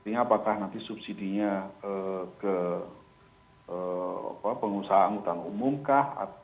nah apakah nanti subsidinya ke pengusahaan utang umum kah